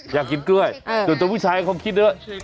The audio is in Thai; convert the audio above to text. อยากกินกล้วยแต่ตัวผู้ชายคงคิดด้วย